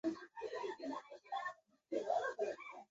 其附属公司包括九龙仓集团以及会德丰地产。